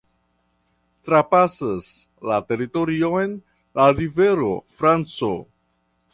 Trapasas la teritorion la rivero Franco.